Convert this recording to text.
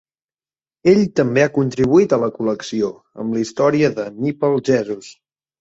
Ell també ha contribuït a la col·lecció amb la història de "NippleJesus".